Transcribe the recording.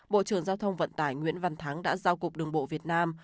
bộ trưởng giao thông vận tải nguyễn văn thắng đã giao cục đường bộ việt nam